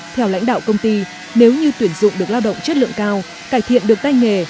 theo lãnh đạo công ty nếu như tuyển dụng được lao động chất lượng cao cải thiện được tay nghề